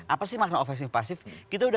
apa sih makna ofensif pasif kita sudah